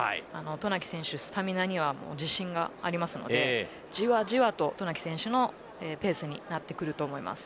渡名喜選手はスタミナには自信がありますのでじわじわと渡名喜選手のペースになってくると思います。